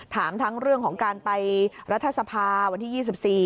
ถามทั้งเรื่องของการไปรัฐสภาวันที่๒๔